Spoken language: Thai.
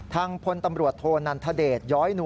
ทางพลตำรวจโทนันทเดชย้อยนัว